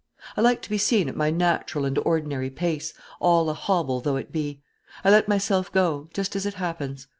I like to be seen at my natural and ordinary pace, all a hobble though it be; I let myself go, just as it happens.